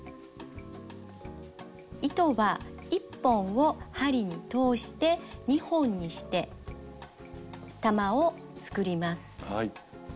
糸は１本を針に通して２本にして玉を作ります。